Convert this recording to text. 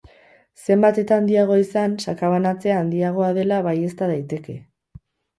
Zenbat eta handiagoa izan, sakabanatzea handiagoa dela baiezta daiteke.